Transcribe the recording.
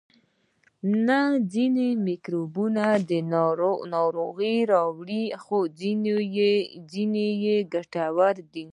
نه ځینې میکروبونه ناروغي راوړي خو ځینې یې ګټور دي